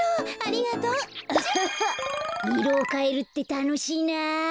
いろをかえるってたのしいな。